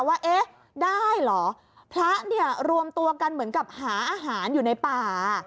ว่าเอ๊ะได้เหรอพระเนี่ยรวมตัวกันเหมือนกับหาอาหารอยู่ในป่า